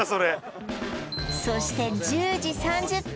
そして１０時３０分